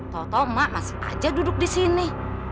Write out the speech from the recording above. tau tau mak masih aja duduk di sini